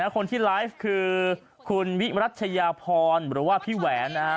คนที่ไลฟ์คือคุณวิรัชยาพรหรือว่าพี่แหวนนะฮะ